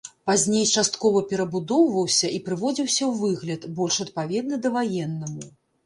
Пазней часткова перабудоўваўся і прыводзіўся ў выгляд, больш адпаведны даваеннаму.